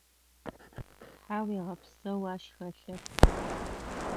Тхьауегъэпсэу ащ хэлъэп.